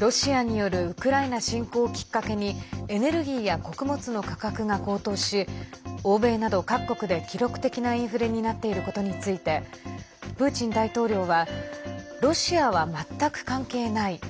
ロシアによるウクライナ侵攻をきっかけにエネルギーや穀物の価格が高騰し欧米など各国で記録的なインフレになっていることについてプーチン大統領はロシアは全く関係ない。